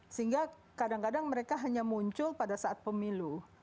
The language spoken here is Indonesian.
sehingga kadang kadang mereka hanya muncul pada saat pemilu